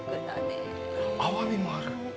アワビもある。